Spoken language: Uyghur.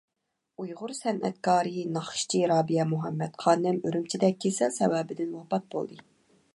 ئۇيغۇر سەنئەتكارى، ناخشىچى رابىيە مۇھەممەد خانىم ئۈرۈمچىدە كېسەل سەۋەبىدىن ۋاپات بولدى.